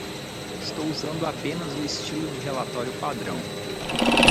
Estou usando apenas o estilo de relatório padrão.